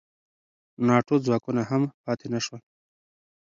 ناټو ځواکونه هم پاتې نه شول.